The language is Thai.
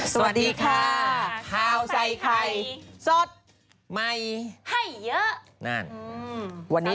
สวัสดีค่ะข้าวใส่ไข่สดใหม่ให้เยอะนั่นอืมวันนี้